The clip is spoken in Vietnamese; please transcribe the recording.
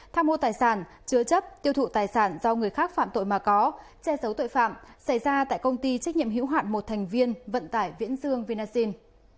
tham mô tài sản chứa chấp tiêu thụ tài sản do người khác phạm tội mà có che giấu tội phạm xảy ra tại công ty trách nhiệm hữu hạn một thành viên vận tải viễn dương vinasin